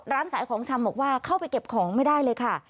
ร้านขายของชำบอกว่าเข้าไปเก็บของไม่ได้เลยค่ะ